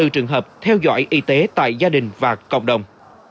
hai mươi trường hợp theo dõi y tế tại gia đình và cộng đồng